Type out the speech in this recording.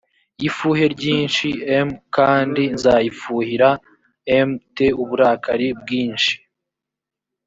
ifuhe ryinshi m kandi nzayifuhira m te uburakari bwinshi